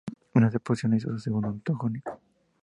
En esta producción hizo su segundo antagónico.